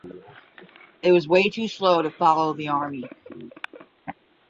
It was way too slow to follow the army.